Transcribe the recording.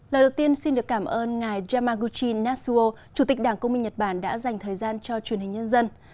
lời đầu tiên xin được cảm ơn ngài yamaguchi nasuo chủ tịch đảng công minh nhật bản đã dành thời gian cho truyền hình nhân dân